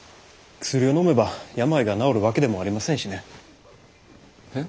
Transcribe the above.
薬をのめば病が治るわけでもありませんしね。え？